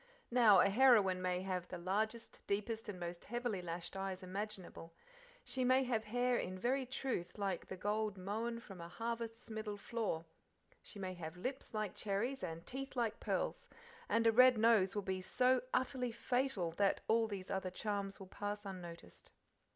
Now a heroine may have the largest, deepest, and most heavily lashed eyes imaginable; she may have hair in very truth like the gold "mown from a harvest's middle floor"; she may have lips like cherries and teeth like pearls, and a red nose will be so utterly fatal that all these other charms will pass unnoticed.